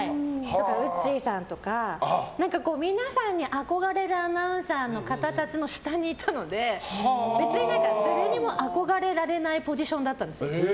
だから、ウッチーさんとか皆さんに憧れられるアナウンサーの方たちの下にいたので、別に誰にも何も憧れられないポジションだったんです。